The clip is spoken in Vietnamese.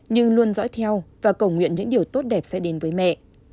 nhưng luôn dõi theo và cầu nguyện những điều tốt đẹp sẽ đến với mẹ